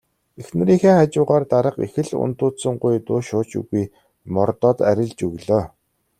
Эхнэрийнхээ хажуугаар дарга их л ундууцангуй дуу шуу ч үгүй мордоод арилж өглөө.